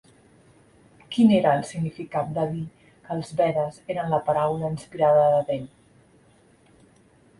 Quin era el significat de dir que els Vedes eren la paraula inspirada de Déu?